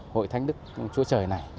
hội thánh đức chúa trời này